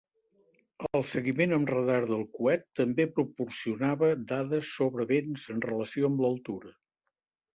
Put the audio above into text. El seguiment amb radar del coet també proporcionava dades sobre vents en relació amb l'altura.